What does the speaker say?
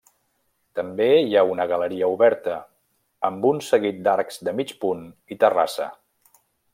També hi ha una galeria oberta, amb un seguit d'arcs de mig punt i terrassa.